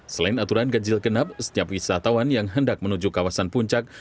selain aturan ganjil genap setiap wisatawan yang hendak menuju kawasan puncak